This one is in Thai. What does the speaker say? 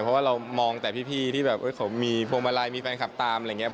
เพราะว่าเรามองแต่พี่ที่แบบเขามีพวงมาลัยมีแฟนคลับตามอะไรอย่างนี้